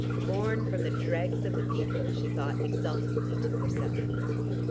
"Born from the dregs of the people," she thought exultantly to herself....